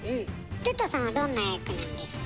哲太さんはどんな役なんですか？